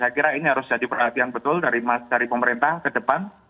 saya kira ini harus jadi perhatian betul dari pemerintah ke depan